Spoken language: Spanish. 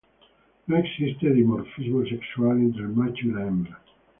No existe dimorfismo sexual entre el macho y la hembra.